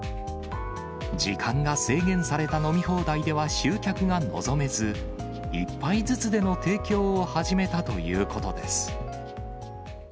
時間が制限された飲み放題では集客が望めず、１杯ずつでの提供を始めたということです。